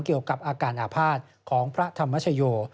เกี่ยวกับอาการอาภาษณ์ของพระธรรมชโย